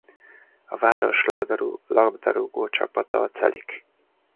A város labdarúgócsapata a Celik.